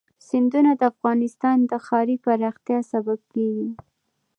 سیندونه د افغانستان د ښاري پراختیا سبب کېږي.